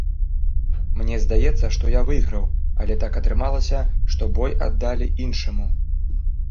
Мне здаецца, што я выйграў, але так атрымалася, што бой аддалі іншаму.